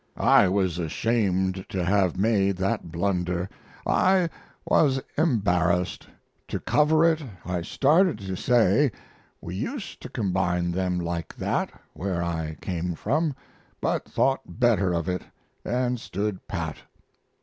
I was ashamed to have made that blunder. I was embarrassed; to cover it I started to say we used to combine them like that where I came from, but thought better of it, and stood pat.